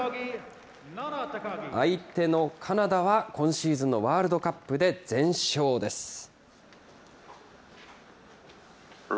相手のカナダは、今シーズンのワールドカップで全勝です。